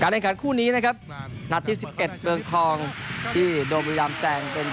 การแรงขาดคู่นี้นะครับหนัฐที่สิบเอ็ดเบืองทอง